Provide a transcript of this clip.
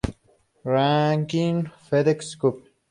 Ranking Fedex Cup